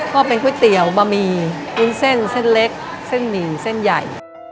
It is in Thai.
ก็เป็นก๋วยเตี๋ยวบะหมี่วุ้นเส้นเส้นเล็กเส้นหมี่เส้นใหญ่